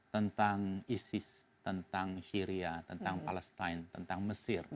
tentang isis tentang syria tentang palestine tentang mesir